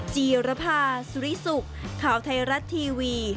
จีรภาสุริสุขข่าวไทยรัฐทีวี